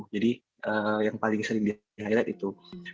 jadi yang paling sering di highlight itu